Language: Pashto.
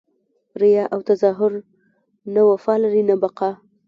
ریاء او تظاهر نه وفا لري نه بقاء!